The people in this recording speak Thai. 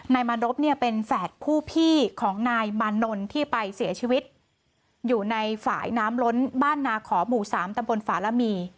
มารบเนี่ยเป็นแฝดผู้พี่ของนายมานนที่ไปเสียชีวิตอยู่ในฝ่ายน้ำล้นบ้านนาขอหมู่สามตำบลฝาระมี